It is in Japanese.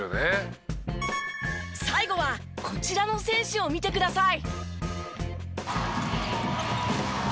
最後はこちらの選手を見てください。